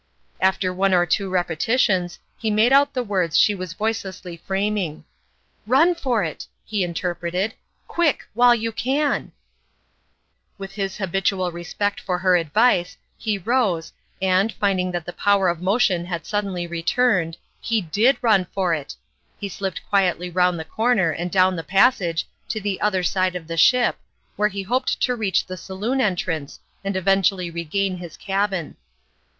After one or two repetitions, he made out the words she was voicelessly fram ing. " Run far it !" he interpreted. " Quick ... while you can !" With his habitual respect for her advice, lie rose and, finding that the power of motion had suddenly returned, he did run for it; he slipped quietly round the corner and down the passage to the other side of the ship, where he hoped to reach the saloon entrance, and eventu ally regain his cabin.